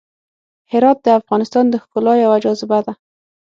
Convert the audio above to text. هرات د افغانستان د ښکلا یوه جاذبه ده.